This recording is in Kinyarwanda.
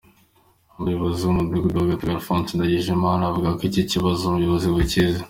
Umuyobozi w’umudugudu w’Agateko Alphonse Ndagijimana, avuga ko iki kibazo ubuyobozi bukizi.